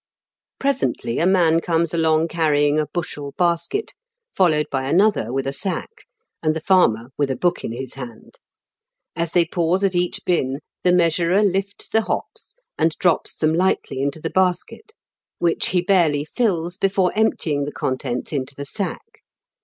Presently a man comes along carrying a bushel basket, followed by another with a THE EOP'PIOKEBS. 119 sack, and the farmer with a book in his hand As they pause at each binn, the measurer lifts the hops, and drops them lightly into the basket, which he barely fills before emptying the contents into the sack.